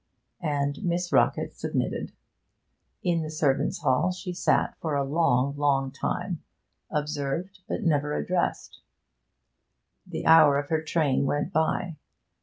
And Miss Rockett submitted. In the servants' hall she sat for a long, long time, observed, but never addressed. The hour of her train went by.